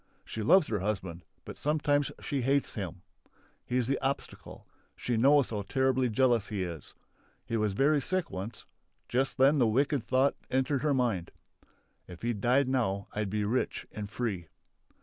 She loves her husband, but sometimes she hates him. He's the obstacle. She knows how terribly jealous he is. He was very sick once; just then the wicked thought entered her mind: "If he died now I'd be rich and free!"